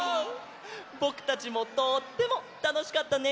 ぼくたちもとってもたのしかったね！